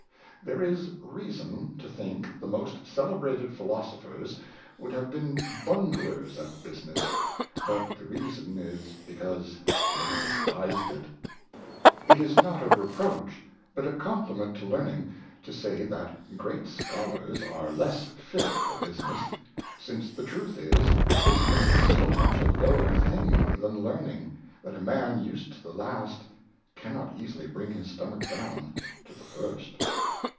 There is Reason to think the most celebrated Philosophers would have been Bunglers at Business ; but the Reason is be cause they despised it. It is not a Reproach but a Compliment to Learning, to say, that Great Scholars are less fit for Business ; since the truth is. Business is so much a lower thing than Learning, that a Man used to the last cannot easily bring his Stomach down to the first.